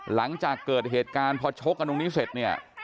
หลังจากเกิดเหตุการณ์พอชกกันตรงนี้เสร็จเนี่ย